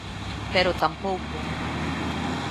Pero tampouco.